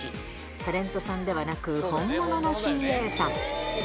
タレントさんではなく、本物のＣＡさん。